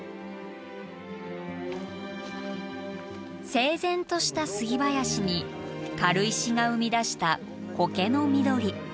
整然とした杉林に軽石が生み出したコケの緑。